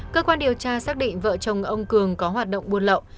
cơ quan điều tra xác định vợ chồng ông cường có hoạt động buôn lậu